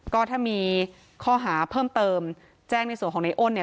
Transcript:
ก็ถ้ามีข้อหาเพิ่มเติมแจ้งในส่วนของในอ้นเนี่ย